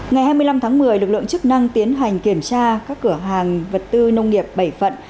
ngày hai mươi năm tháng một mươi lực lượng chức năng tiến hành kiểm tra các cửa hàng vật tư nông nghiệp bảy phận